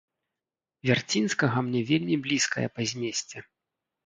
Вярцінскага мне вельмі блізкая па змесце.